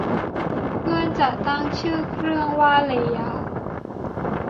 เพื่อนจะตั้งชื่อเครื่องว่า เรยา